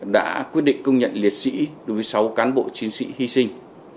đã quyết định công nhận liệt sĩ đối với sáu cán bộ chiến sĩ hy sinh